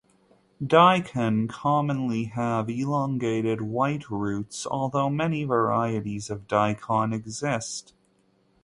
Daikon commonly have elongated white roots, although many varieties of daikon exist.